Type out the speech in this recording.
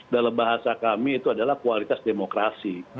dalam bahasa kami itu adalah kualitas demokrasi